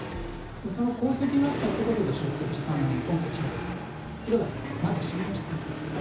その功績があったということで出世したのに今回切られた。ということはまだ信用していない。